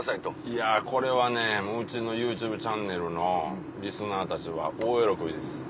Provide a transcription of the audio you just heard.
いやこれはねうちのＹｏｕＴｕｂｅチャンネルのリスナーたちは大喜びです。